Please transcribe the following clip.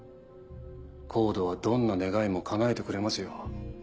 ＣＯＤＥはどんな願いも叶えてくれますよ。